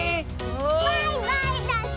バイバイだし！